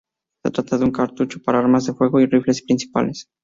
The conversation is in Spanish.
Se trata de un cartucho para armas de fuego, y rifles principales.